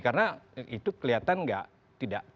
karena itu kelihatan tidak tidak tidak tidak